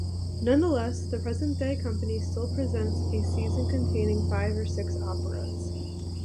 Nonetheless, the present day company still presents a season containing five or six operas.